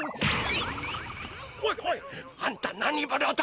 おいおいあんた何者だ？